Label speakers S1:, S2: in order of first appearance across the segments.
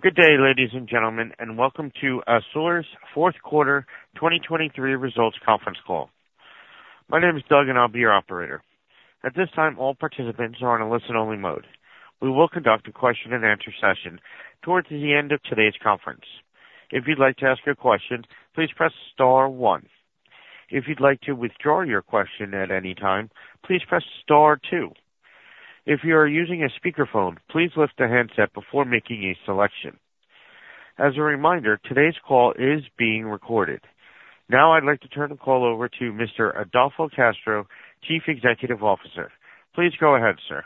S1: Good day, ladies and gentlemen, and welcome to ASUR's Fourth Quarter 2023 Results Conference Call. My name is Doug, and I'll be your operator. At this time, all participants are on a listen-only mode. We will conduct a question and answer session towards the end of today's conference. If you'd like to ask a question, please press star one. If you'd like to withdraw your question at any time, please press star two. If you are using a speakerphone, please lift the handset before making a selection. As a reminder, today's call is being recorded. Now I'd like to turn the call over to Mr. Adolfo Castro, Chief Executive Officer. Please go ahead, sir.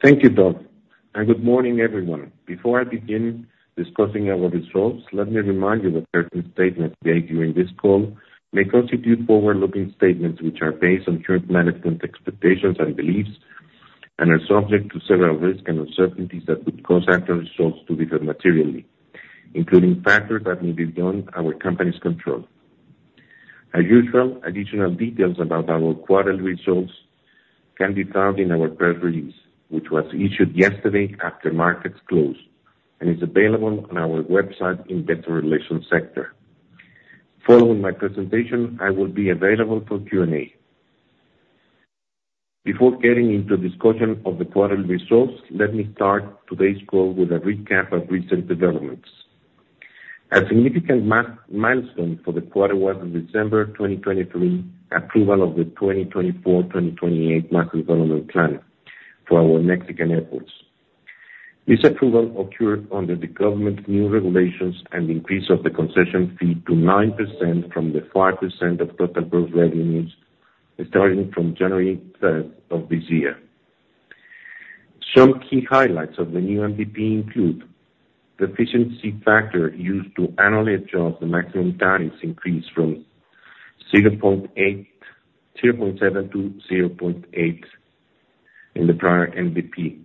S2: Thank you, Doug, and good morning, everyone. Before I begin discussing our results, let me remind you that certain statements made during this call may constitute forward-looking statements, which are based on current management expectations and beliefs and are subject to several risks and uncertainties that could cause actual results to differ materially, including factors that may be beyond our company's control. As usual, additional details about our quarter results can be found in our press release, which was issued yesterday after markets closed, and is available on our website in investor relations section. Following my presentation, I will be available for Q&A. Before getting into discussion of the quarter results, let me start today's call with a recap of recent developments. A significant milestone for the quarter was in December 2023, approval of the 2024-2028 Master Development Plan for our Mexican airports. This approval occurred under the government's new regulations and increase of the concession fee to 9% from the 5% of total gross revenues, starting from January 3rd of this year. Some key highlights of the new MDP include: the efficiency factor used to annually adjust the maximum tariffs increased from 0.7 to 0.8 in the prior MDP.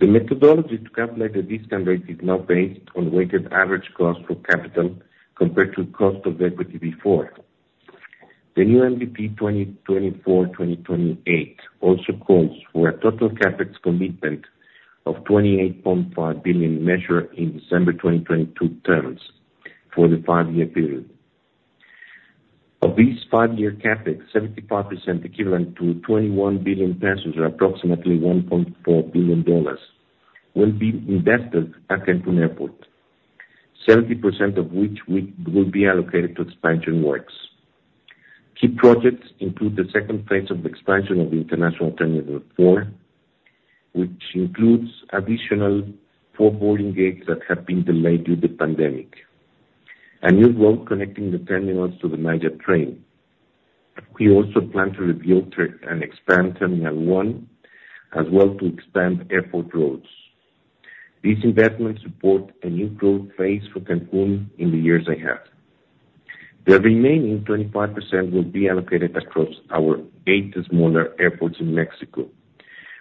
S2: The methodology to calculate the discount rate is now based on weighted average cost of capital compared to cost of equity before. The new MDP 2024-2028 also calls for a total CapEx commitment of 28.5 billion, measured in December 2022 terms for the five-year period. Of these five-year CapEx, 75%, equivalent to 21 billion pesos, or approximately $1.4 billion, will be invested at Cancún Airport, 70% of which will be allocated to expansion works. Key projects include the second phase of expansion of the international Terminal 4, which includes additional 4 boarding gates that have been delayed due to the pandemic. A new road connecting the terminals to the Maya Train. We also plan to rebuild and expand Terminal 1, as well to expand airport roads. These investments support a new growth phase for Cancún in the years ahead. The remaining 25% will be allocated across our 8 smaller airports in Mexico,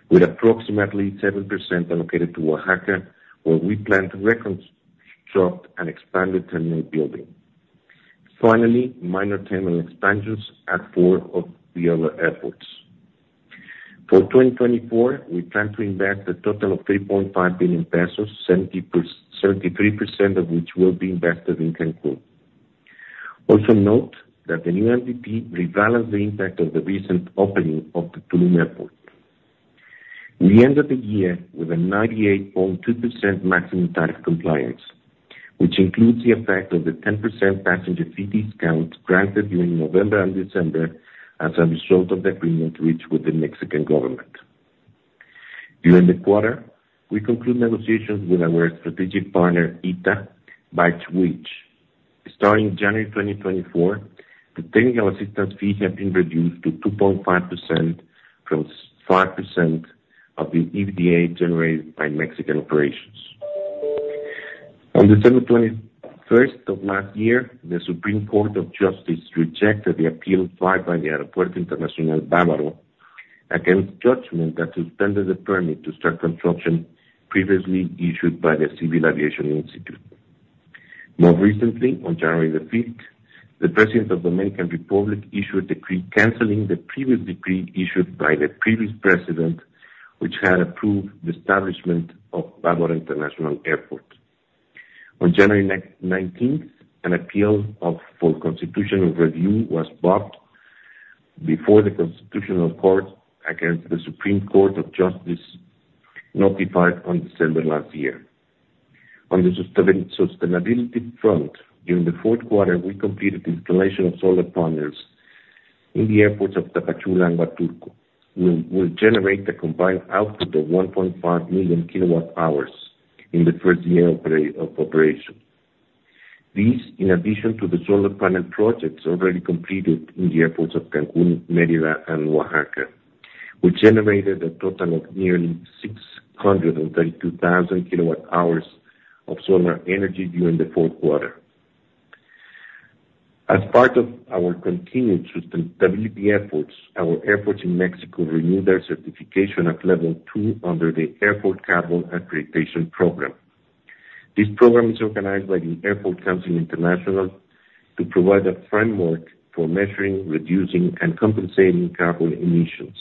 S2: with approximately 7% allocated to Oaxaca, where we plan to reconstruct and expand the terminal building. Finally, minor terminal expansions at four of the other airports. For 2024, we plan to invest a total of 3.5 billion pesos, 73% of which will be invested in Cancún. Also note that the new MDP rebalances the impact of the recent opening of the Tulum airport. We end the year with a 98.2% maximum tariff compliance, which includes the effect of the 10% passenger fee discount granted during November and December as a result of the agreement reached with the Mexican government. During the quarter, we concluded negotiations with our strategic partner, ITA, by which, starting January 2024, the technical assistance fee has been reduced to 2.5% from 5% of the EBITDA generated by Mexican operations. On December 21st of last year, the Supreme Court of Justice rejected the appeal filed by the Aeropuerto Internacional Bávaro against judgment that suspended the permit to start construction previously issued by the Civil Aviation Institute. More recently, on January 5th, the President of the Dominican Republic issued a decree canceling the previous decree issued by the previous president, which had approved the establishment of Bávaro International Airport. On January 19th, an appeal for constitutional review was brought before the Constitutional Court against the Supreme Court of Justice, notified on December last year. On the sustainability front, during the fourth quarter, we completed installation of solar panels in the airports of Tapachula and Huatulco, will generate a combined output of 1.5 million kWh in the first year of operation. These, in addition to the solar panel projects already completed in the airports of Cancún, Mérida, and Oaxaca, which generated a total of nearly 632,000 kWh of solar energy during the fourth quarter. As part of our continued sustainability efforts, our airports in Mexico renewed their certification at level 2 under the Airport Carbon Accreditation Program. This program is organized by the Airports Council International to provide a framework for measuring, reducing, and compensating carbon emissions.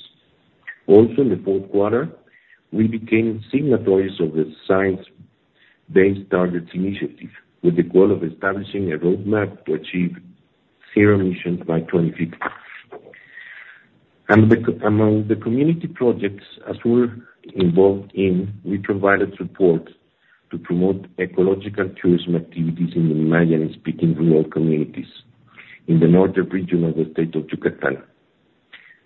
S2: Also, in the fourth quarter, we became signatories of the Science Based Targets initiative, with the goal of establishing a roadmap to achieve zero emissions by 2050. Among the community projects, as we're involved in, we provided support to promote ecological tourism activities in the Mayan-speaking rural communities in the northern region of the state of Yucatán.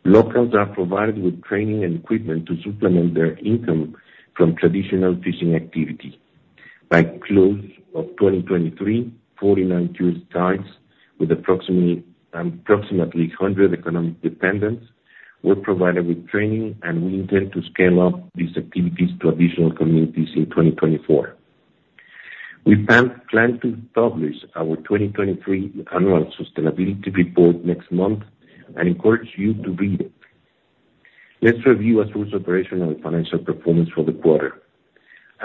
S2: Locals are provided with training and equipment to supplement their income from traditional fishing activity. By close of 2023, 49 tourist guides, with approximately 100 economic dependents, were provided with training, and we intend to scale up these activities to additional communities in 2024. We plan to publish our 2023 annual sustainability report next month and encourage you to read it. Let's review our first operational and financial performance for the quarter.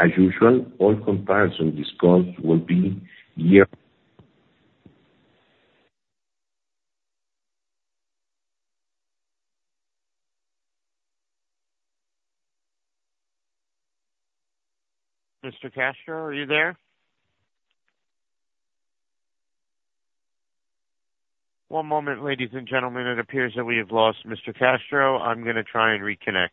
S2: As usual, all comparison on this call will be year-
S1: Mr. Castro, are you there? One moment, ladies and gentlemen. It appears that we have lost Mr. Castro. I'm gonna try and reconnect.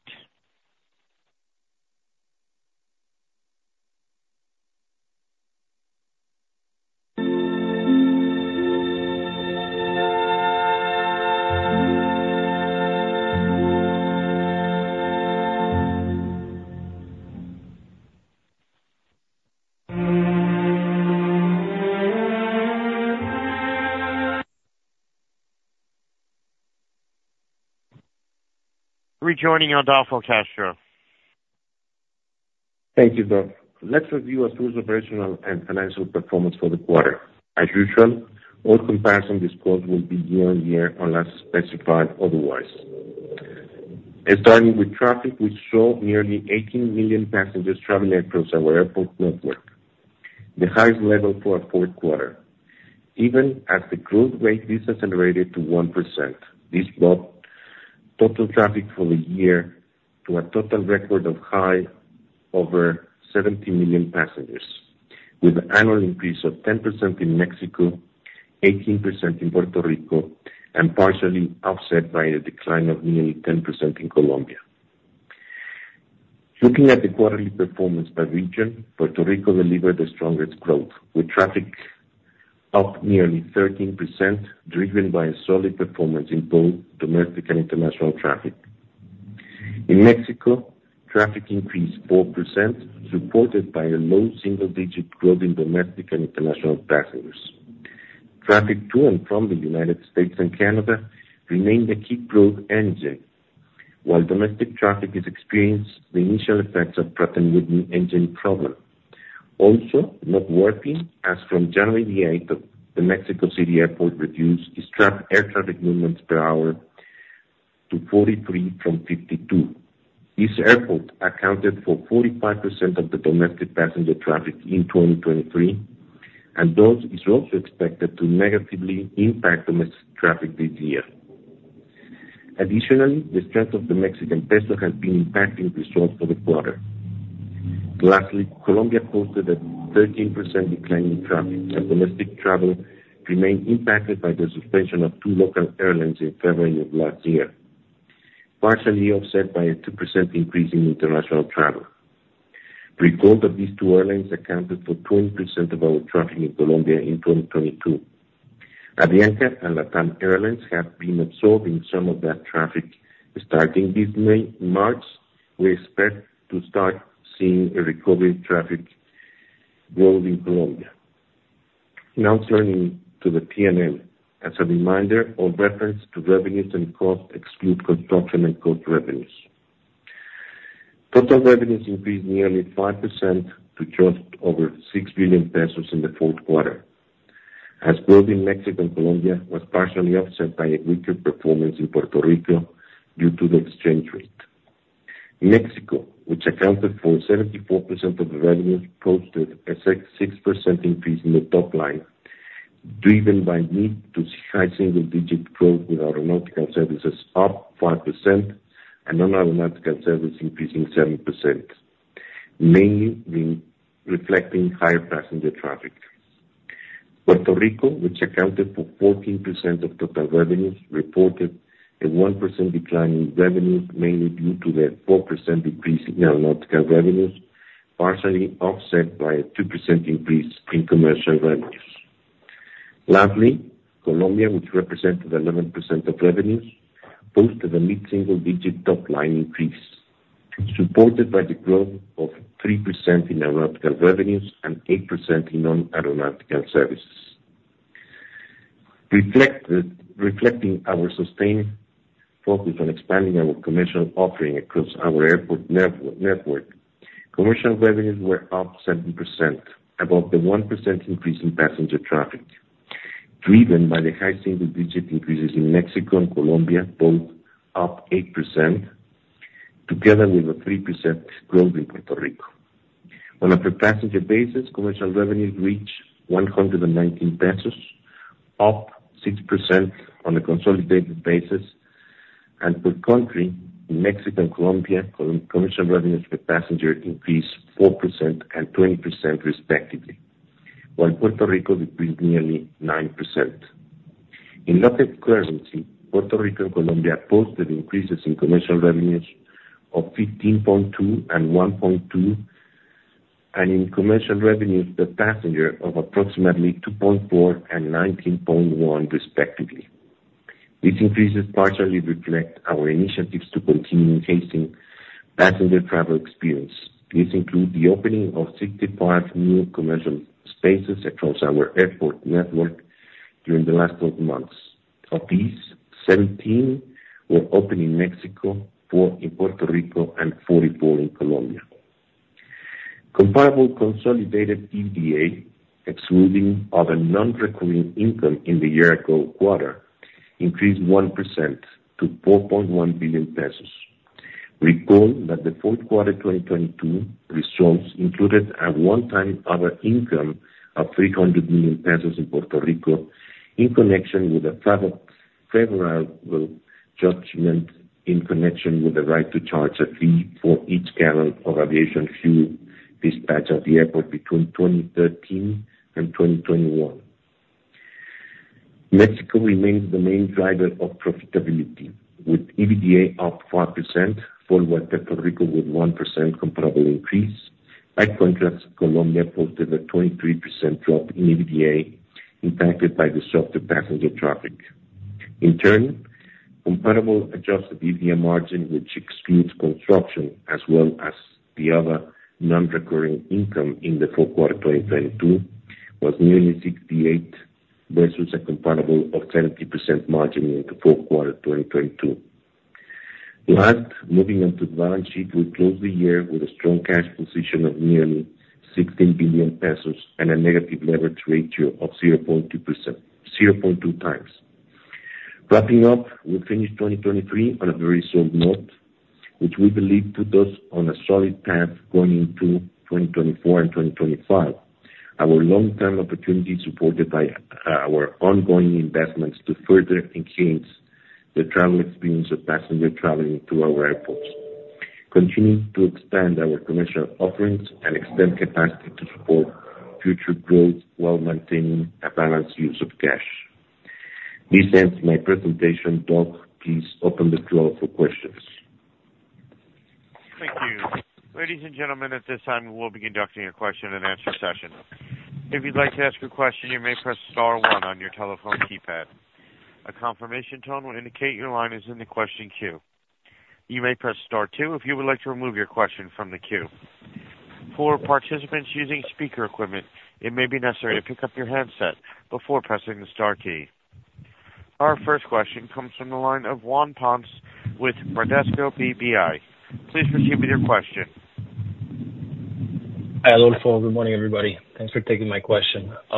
S1: Rejoining Adolfo Castro.
S2: Thank you, Doug. Let's review our first operational and financial performance for the quarter. As usual, all comparisons on this call will be year-on-year, unless specified otherwise. Starting with traffic, we saw nearly 18 million passengers traveling across our airport network, the highest level for a fourth quarter. Even as the growth rate decelerated to 1%, this brought total traffic for the year to a total record high of over 70 million passengers, with an annual increase of 10% in Mexico, 18% in Puerto Rico, and partially offset by a decline of nearly 10% in Colombia. Looking at the quarterly performance by region, Puerto Rico delivered the strongest growth, with traffic up nearly 13%, driven by a solid performance in both domestic and international traffic. In Mexico, traffic increased 4%, supported by a low single-digit growth in domestic and international passengers. Traffic to and from the United States and Canada remained a key growth engine, while domestic traffic has experienced the initial effects of Pratt & Whitney engine problem. Also, noteworthy, as from January the 8th, the Mexico City Airport reduced its air traffic movements per hour to 43 from 52. This airport accounted for 45% of the domestic passenger traffic in 2023, and thus is also expected to negatively impact domestic traffic this year. Additionally, the strength of the Mexican peso has been impacting results for the quarter. Lastly, Colombia posted a 13% decline in traffic, and domestic travel remained impacted by the suspension of two local airlines in February of last year, partially offset by a 2% increase in international travel. Pre-COVID, these two airlines accounted for 20% of our traffic in Colombia in 2022. Avianca and LATAM Airlines have been absorbing some of that traffic. Starting this May, March, we expect to start seeing a recovery in traffic growth. Now turning to the P&L. As a reminder, all reference to revenues and costs exclude construction and code revenues. Total revenues increased nearly 5% to just over 6 billion pesos in the fourth quarter, as growth in Mexico and Colombia was partially offset by a weaker performance in Puerto Rico due to the exchange rate. Mexico, which accounted for 74% of the revenues, posted a 6% increase in the top line, driven by mid- to high-single-digit growth, with aeronautical services up 5% and non-aeronautical services increasing 7%, mainly reflecting higher passenger traffic. Puerto Rico, which accounted for 14% of total revenues, reported a 1% decline in revenues, mainly due to the 4% decrease in aeronautical revenues, partially offset by a 2% increase in commercial revenues. Lastly, Colombia, which represented 11% of revenues, posted a mid-single digit top line increase, supported by the growth of 3% in aeronautical revenues and 8% in non-aeronautical services. Reflecting our sustained focus on expanding our commercial offering across our airport network, commercial revenues were up 7%, above the 1% increase in passenger traffic, driven by the high single digit increases in Mexico and Colombia, both up 8%.... together with a 3% growth in Puerto Rico. On a per passenger basis, commercial revenue reached 119 pesos, up 6% on a consolidated basis, and per country, in Mexico and Colombia, commercial revenues per passenger increased 4% and 20% respectively, while Puerto Rico decreased nearly 9%. In local currency, Puerto Rico and Colombia posted increases in commercial revenues of 15.2 and 1.2, and in commercial revenues per passenger of approximately 2.4 and 19.1 respectively. These increases partially reflect our initiatives to continue enhancing passenger travel experience. These include the opening of 65 new commercial spaces across our airport network during the last 12 months. Of these, 17 were opened in Mexico, four in Puerto Rico, and 44 in Colombia. Comparable consolidated EBITDA, excluding other non-recurring income in the year ago quarter, increased 1% to 4.1 billion pesos. Recall that the fourth quarter 2022 results included a one-time other income of 300 million pesos in Puerto Rico, in connection with a favorable federal judgment, in connection with the right to charge a fee for each gallon of aviation fuel dispatched at the airport between 2013 and 2021. Mexico remains the main driver of profitability, with EBITDA up 4%, followed by Puerto Rico, with 1% comparable increase. By contrast, Colombia posted a 23% drop in EBITDA, impacted by the softer passenger traffic. In turn, comparable adjusted EBITDA margin, which excludes construction as well as the other non-recurring income in the fourth quarter 2022, was nearly 68%, versus a comparable of 70% margin in the fourth quarter 2022. Last, moving on to the balance sheet, we closed the year with a strong cash position of nearly 16 billion pesos and a negative leverage ratio of 0.2%—0.2x. Wrapping up, we finished 2023 on a very solid note, which we believe puts us on a solid path going into 2024 and 2025. Our long-term opportunity, supported by our ongoing investments to further enhance the travel experience of passenger traveling through our airports, continuing to expand our commercial offerings and expand capacity to support future growth while maintaining a balanced use of cash. This ends my presentation. Doug, please open the floor for questions.
S1: Thank you. Ladies and gentlemen, at this time, we will be conducting a question-and-answer session. If you'd like to ask a question, you may press star one on your telephone keypad. A confirmation tone will indicate your line is in the question queue. You may press star two if you would like to remove your question from the queue. For participants using speaker equipment, it may be necessary to pick up your handset before pressing the star key. Our first question comes from the line of Juan Ponce with Bradesco BBI. Please proceed with your question.
S3: Hi, Adolfo. Good morning, everybody. Thanks for taking my question. So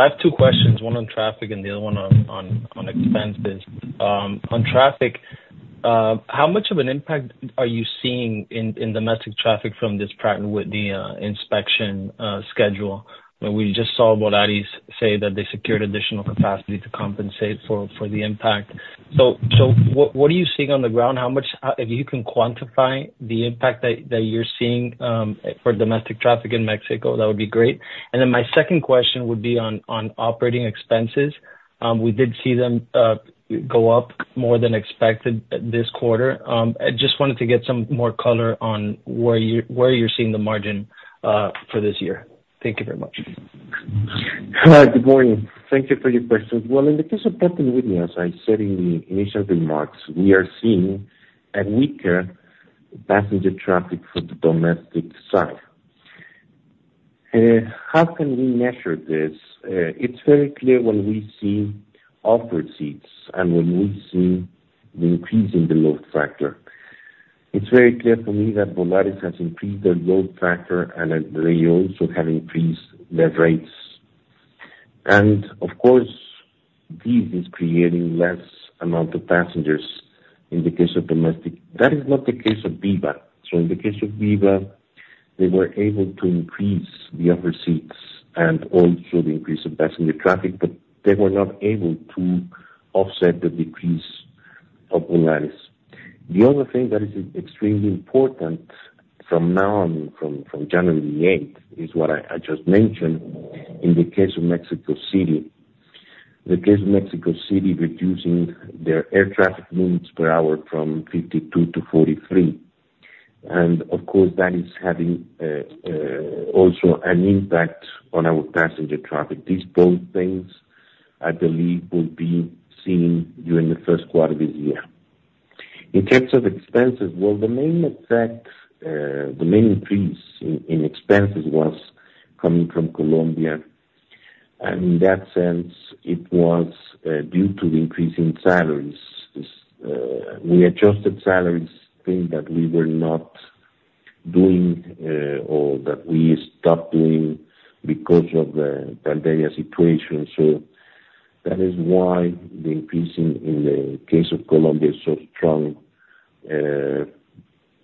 S3: I have two questions, one on traffic and the other one on expenses. On traffic, how much of an impact are you seeing in domestic traffic from this Pratt & Whitney inspection schedule? When we just saw Volaris say that they secured additional capacity to compensate for the impact. So what are you seeing on the ground? How much if you can quantify the impact that you're seeing for domestic traffic in Mexico, that would be great. And then my second question would be on operating expenses. We did see them go up more than expected this quarter. I just wanted to get some more color on where you're seeing the margin for this year. Thank you very much.
S2: Hi, good morning. Thank you for your questions. Well, in the case of Pratt & Whitney, as I said in the initial remarks, we are seeing a weaker passenger traffic for the domestic side. How can we measure this? It's very clear when we see ASKs and when we see the increase in the load factor. It's very clear to me that Volaris has increased their load factor, and that they also have increased their rates. And of course, this is creating less amount of passengers in the case of domestic. That is not the case of Viva. So in the case of Viva, they were able to increase the ASKs and also the increase of passenger traffic, but they were not able to offset the decrease of Volaris. The other thing that is extremely important from now on, from January eighth, is what I just mentioned in the case of Mexico City. The case of Mexico City, reducing their air traffic movements per hour from 52 to 43. And of course, that is having also an impact on our passenger traffic. These both things, I believe, will be seen during the first quarter of this year. In terms of expenses, well, the main effect, the main increase in expenses was coming fromColombia, and in that sense, it was due to the increase in salaries. This, we adjusted salaries thing that we were not doing, or that we stopped doing because of the pandemic situation. So that is why the increasing in the case of Colombia is so strong.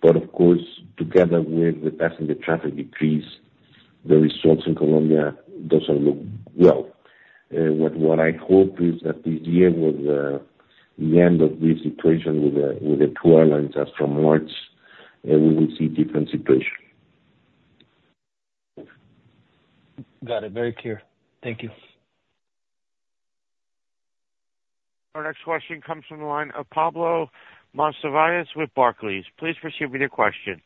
S2: But of course, together with the passenger traffic decrease, the results in Colombia doesn't look well. What I hope is that this year, with the end of this situation, with the two airlines as from March, we will see different situation.
S3: Got it. Very clear. Thank you.
S1: Our next question comes from the line of Pablo Monsivais with Barclays. Please proceed with your question.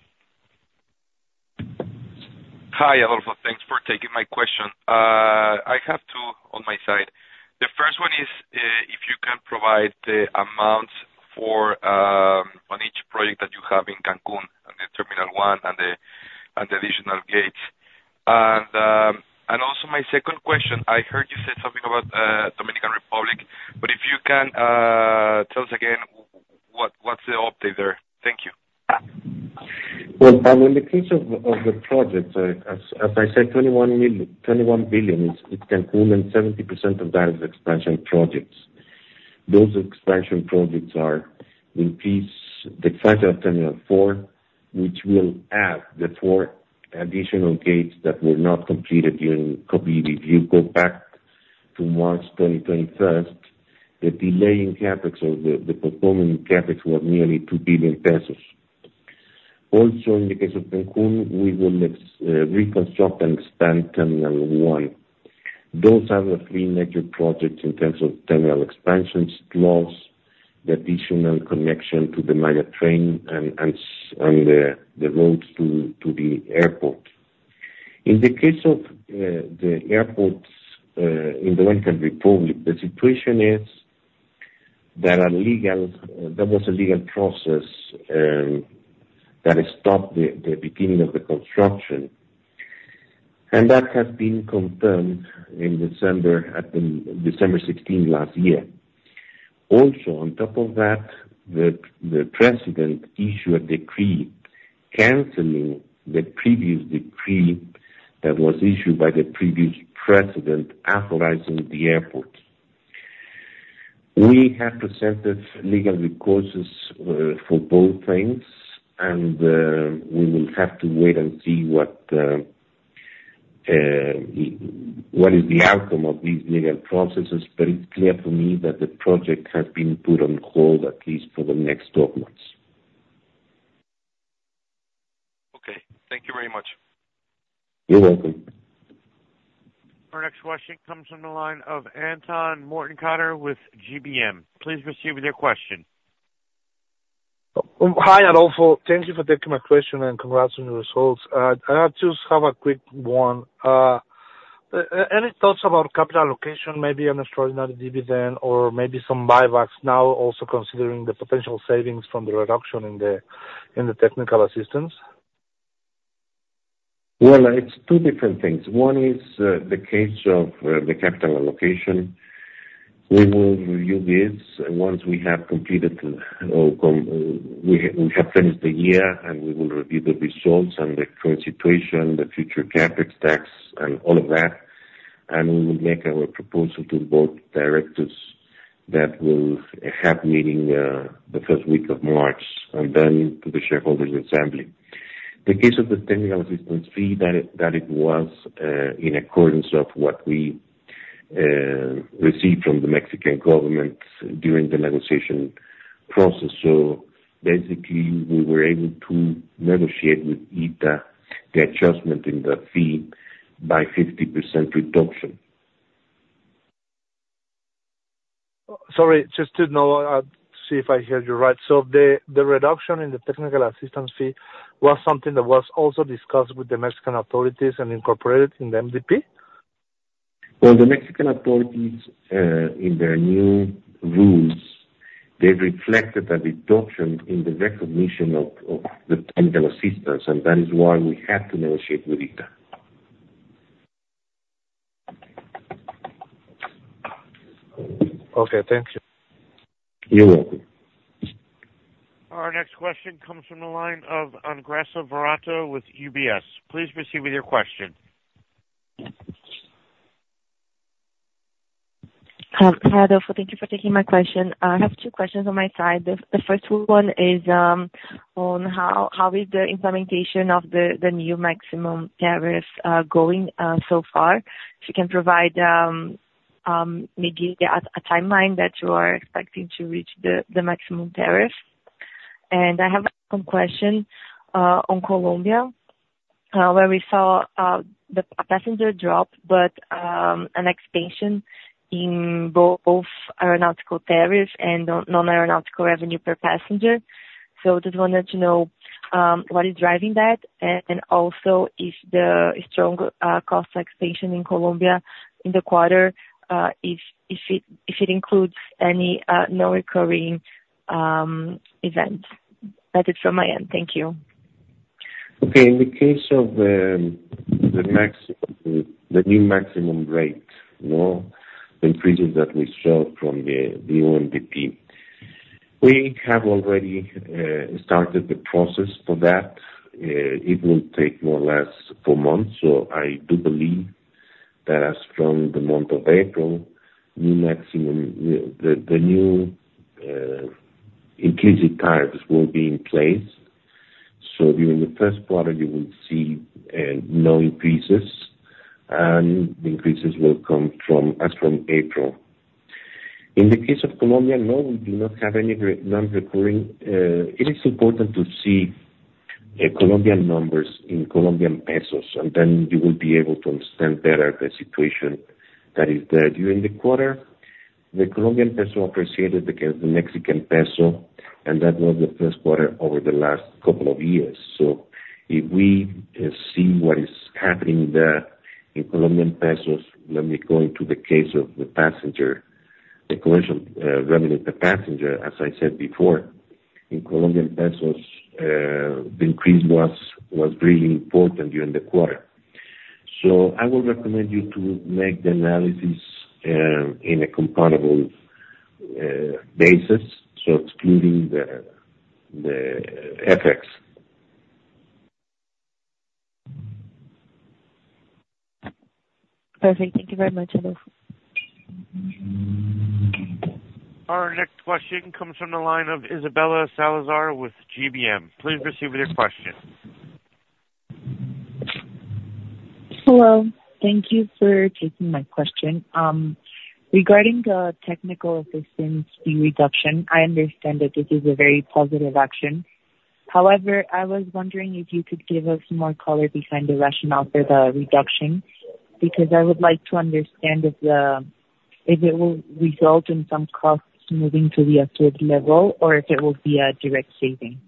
S4: Hi, Adolfo. Thanks for taking my question. I have two on my side. The first one is, if you can provide the amounts for, on each project that you have in Cancún and the terminal one and the additional gates. And also my second question, I heard you say something about, Dominican Republic, but if you can, tell us again, what's the update there? Thank you.
S2: Well, in the case of the project, as I said, 21 billion is, it can include in seventy percent of that is expansion projects. Those expansion projects are in place, the final Terminal 4, which will add the four additional gates that were not completed during COVID. If you go back to March 2021, the delay in CapEx or the performing CapEx was nearly 2 billion pesos. Also, in the case of Cancún, we will reconstruct and expand Terminal 1. Those are the three major projects in terms of terminal expansions, plus the additional connection to the Maya Train and the roads to the airport. In the case of the airports in the Dominican Republic, the situation is there are legal... There was a legal process that stopped the beginning of the construction, and that has been confirmed in December, at the December 16 last year. Also, on top of that, the president issued a decree canceling the previous decree that was issued by the previous president, authorizing the airport. We have presented legal resources for both things, and we will have to wait and see what is the outcome of these legal processes. But it's clear to me that the project has been put on hold, at least for the next 12 months.
S4: Okay. Thank you very much.
S2: You're welcome.
S1: Our next question comes from the line of Anton Mortenkotter with GBM. Please proceed with your question.
S5: Hi, Adolfo. Thank you for taking my question, and congrats on the results. I just have a quick one. Any thoughts about capital allocation, maybe an extraordinary dividend or maybe some buybacks now, also considering the potential savings from the reduction in the, in the technical assistance?
S2: Well, it's two different things. One is the case of the capital allocation. We will review this once we have finished the year, and we will review the results and the current situation, the future CapEx tax and all of that, and we will make our proposal to Board of Directors. That will have meeting the first week of March, and then to the shareholders' assembly. The case of the technical assistance fee, that it was in accordance of what we received from the Mexican government during the negotiation process. So basically, we were able to negotiate with ITA the adjustment in the fee by 50% reduction.
S5: Sorry, just to know, see if I heard you right. So the reduction in the technical assistance fee was something that was also discussed with the Mexican authorities and incorporated in the MDP?
S2: Well, the Mexican authorities in their new rules reflected a reduction in the recognition of the technical assistance, and that is why we had to negotiate with ITA.
S5: Okay. Thank you.
S2: You're welcome.
S1: Our next question comes from the line of Andressa Varotto with UBS. Please proceed with your question.
S6: Adolfo, thank you for taking my question. I have two questions on my side. The first one is on how is the implementation of the new maximum tariffs going so far? If you can provide maybe a timeline that you are expecting to reach the maximum tariff. And I have some question on Colombia where we saw the passenger drop, but an extension in both aeronautical tariff and non-aeronautical revenue per passenger. So just wanted to know what is driving that, and also if the strong cost extension in Colombia in the quarter if it includes any non-recurring events. That's it from myend. Thank you.
S2: Okay. In the case of the maximum, the new maximum rate, you know, increases that we saw from the new MDP. We have already started the process for that. It will take more or less 4 months, so I do believe that as from the month of April, new maximum, the new increased tariffs will be in place. So during the first quarter, you will see no increases, and the increases will come from as from April. In the case of Colombia, no, we do not have any non-recurring. It is important to see the Colombian numbers in Colombian pesos, and then you will be able to understand better the situation that is there. During the quarter, the Colombian peso appreciated against the Mexican peso, and that was the first quarter over the last couple of years. So if we see what is happening there in Colombian pesos, let me go into the case of the passenger, the collection, revenue of the passenger. As I said before, in Colombian pesos, the increase was really important during the quarter. So I would recommend you to make the analysis in a comparable basis, so excluding the FX.
S6: Perfect. Thank you very much, Adolfo.
S1: Our next question comes from the line of Isabela Salazar with GBM. Please proceed with your question.
S7: Hello. Thank you for taking my question. Regarding the technical assistance fee reduction, I understand that this is a very positive action. However, I was wondering if you could give us more color behind the rationale for the reduction, because I would like to understand if it will result in some costs moving to the after level or if it will be a direct saving?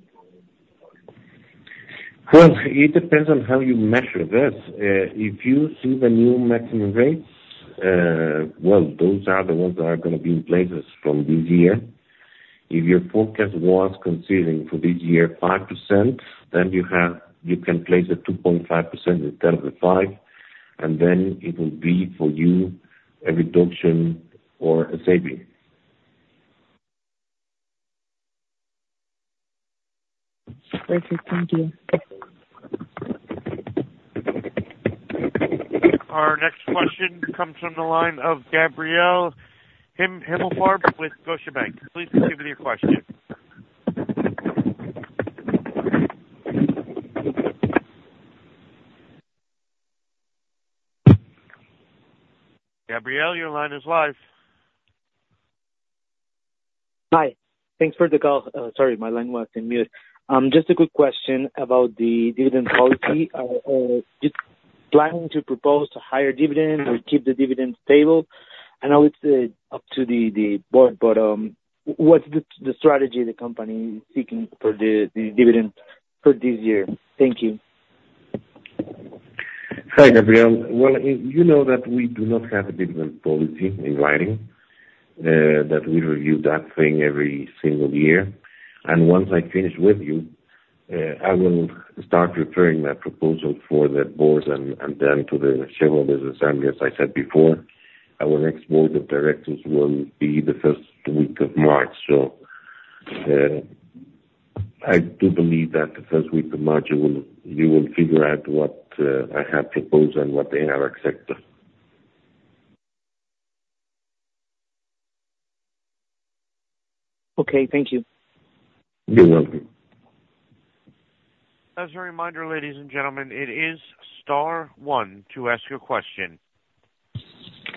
S2: Well, it depends on how you measure this. If you see the new maximum rates, well, those are the ones that are gonna be in places from this year. If your forecast was considering for this year 5%, then you can place a 2.5% instead of the five, and then it will be for you a reduction or a saving.
S7: Perfect. Thank you.
S1: Our next question comes from the line of Gabriel Himelfarb with Scotiabank. Please proceed with your question. Gabriel, your line is live.
S8: Hi. Thanks for the call. Sorry, my line was on mute. Just a quick question about the dividend policy. Do you plan to propose a higher dividend or keep the dividend stable? I know it's up to the board, but what's the strategy the company is seeking for the dividend for this year? Thank you.
S2: Hi, Gabriel. Well, you know that we do not have a dividend policy in writing, that we review that thing every single year. And once I finish with you, I will start preparing my proposal for the board and then to the shareholders' assembly. As I said before, our next board of directors will be the first week of March. So, I do believe that the first week of March we will figure out what I have proposed and what they have accepted.
S8: Okay. Thank you.
S2: You're welcome.
S1: As a reminder, ladies and gentlemen, it is star one to ask a question.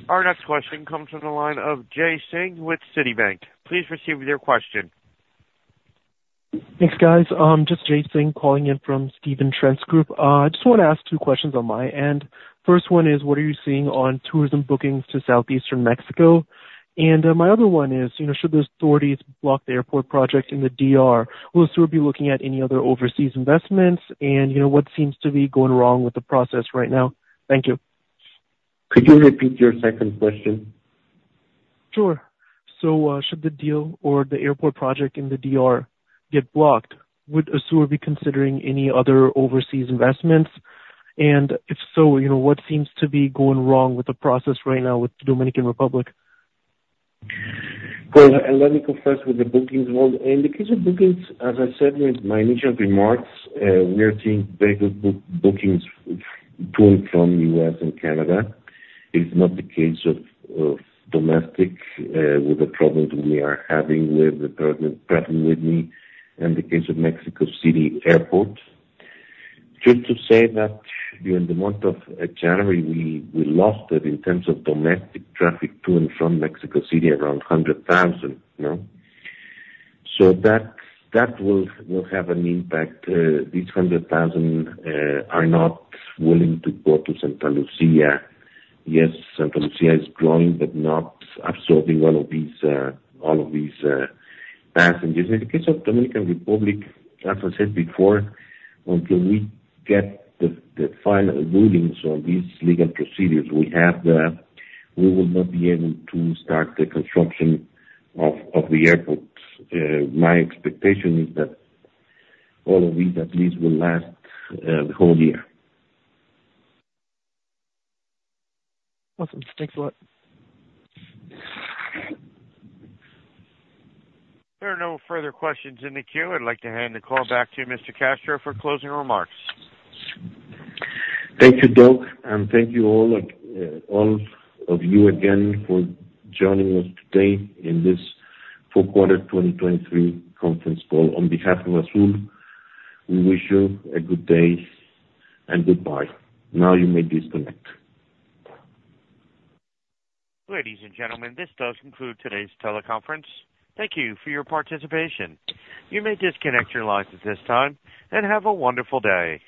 S1: Our next question comes from the line of Jay Singh with Citibank. Please proceed with your question.
S9: Thanks, guys. Just Jay Singh calling in from Stephen Trent's Group. I just want to ask two questions on my end. First one is: What are you seeing on tourism bookings to southeastern Mexico? And, my other one is, you know, should the authorities block the airport project in the DR, will ASUR be looking at any other overseas investments? And, you know, what seems to be going wrong with the process right now? Thank you.
S2: Could you repeat your second question?
S9: Sure. So, should the deal or the airport project in the DR get blocked, would ASUR be considering any other overseas investments? And if so, you know, what seems to be going wrong with the process right now with the Dominican Republic?
S2: Well, let me confess with the bookings one. In the case of bookings, as I said in my initial remarks, we are seeing very good bookings to and from U.S. and Canada. It's not the case of domestic, with the problems we are having with the president, President Abinader. In the case of Mexico City Airport, just to say that during the month of January, we lost it in terms of domestic traffic to and from Mexico City, around 100,000, no? So that will have an impact. These 100,000 are not willing to go to Santa Lucía. Yes, Santa Lucía is growing, but not absorbing all of these passengers. In the case of Dominican Republic, as I said before, until we get the final rulings on these legal proceedings we have there, we will not be able to start the construction of the airport. My expectation is that all of these at least will last the whole year.
S9: Awesome. Thanks a lot.
S1: There are no further questions in the queue. I'd like to hand the call back to Mr. Castro for closing remarks.
S2: Thank you, Doug, and thank you all, all of you again for joining us today in this fourth quarter 2023 conference call. On behalf of ASUR, we wish you a good day, and goodbye. Now you may disconnect.
S1: Ladies and gentlemen, this does conclude today's teleconference. Thank you for your participation. You may disconnect your lines at this time, and have a wonderful day!